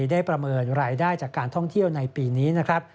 ประเมินรายได้จากการท่องเที่ยวในปีนี้นะครับ